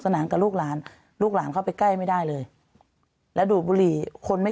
นานกับลูกหลานลูกหลานเข้าไปใกล้ไม่ได้เลยแล้วดูดบุหรี่คนไม่